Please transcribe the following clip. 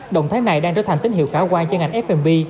động thái này đang trở thành tín hiệu cảo quan cho ngành f b